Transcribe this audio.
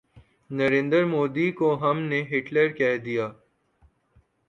نریندر مودی کو ہم نے ہٹلر کہہ دیا۔